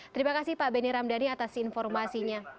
terima kasih pak benny ramdhani atas informasinya